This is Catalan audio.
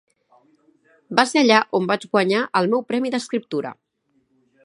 Va ser allà on vaig guanyar el meu premi d'escriptura.